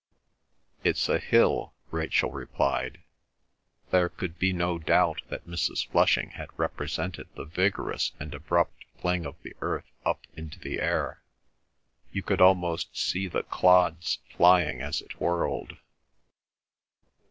"It's a hill," Rachel replied. There could be no doubt that Mrs. Flushing had represented the vigorous and abrupt fling of the earth up into the air; you could almost see the clods flying as it whirled.